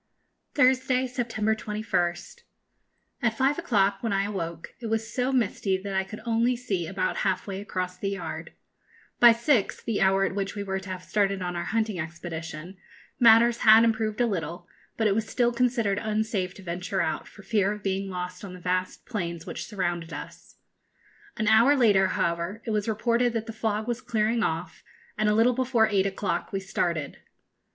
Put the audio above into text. Thursday, September 21st. At five o'clock, when I awoke, it was so misty that I could only see about half way across the yard. By six, the hour at which we were to have started on our hunting expedition, matters had improved a little; but it was still considered unsafe to venture out, for fear of being lost on the vast plains which surrounded us. An hour later, however, it was reported that the fog was clearing off, and a little before eight o'clock we started.